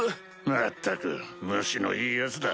まったく虫のいいヤツだ。